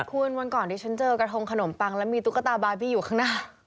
คุณวันก่อนที่ฉันเจอกระทงขนมปังแล้วมีตุ๊กตาบาร์บี้อยู่ข้างหน้า